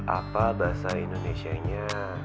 apa bahasa indonesianya